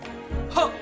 はっ！